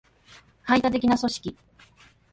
排他的な組織